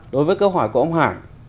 đối với cơ hỏi của ông hải